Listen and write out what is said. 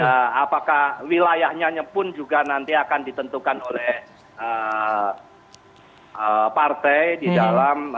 nah apakah wilayahnya pun juga nanti akan ditentukan oleh partai di dalam